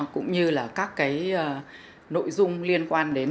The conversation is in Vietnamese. cũng như là các cái nội dung liên quan đến